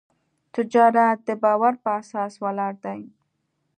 تجارت د باور په اساس ولاړ دی.